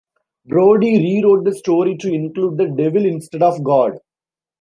Brody re-wrote the story to include the Devil instead of God.